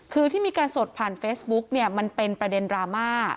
คือที่มีการสดผ่านเฟซบุ๊กเนี่ยมันเป็นประเด็นดราม่า